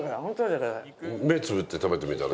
目つぶって食べてみたら？